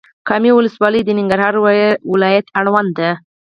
کامې ولسوالۍ د ننګرهار ولايت اړوند ده.